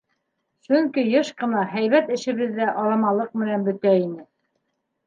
Сөнки йыш ҡына һәйбәт эшебеҙ ҙә аламалыҡ менән бөтә ине.